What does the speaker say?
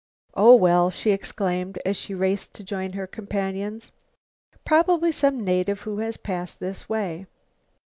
"Oh, well," she exclaimed, as she raced to join her companions, "probably some native who has passed this way."